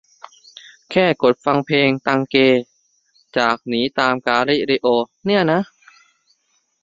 แค่กดฟังเพลง "ตังเก" จาก "หนีตามกาลิเลโอ" เนี่ยนะ